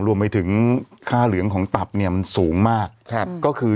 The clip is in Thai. รวมไปถึงค่าเหลืองของตับเนี่ยมันสูงมากครับก็คือ